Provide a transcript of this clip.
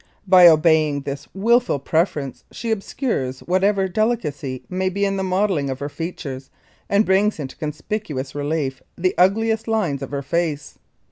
By obeying this wilful preference she obscures whatever delicacy may be in the modelling of her features and brings into conspicuous relief the ugliest lines of her face.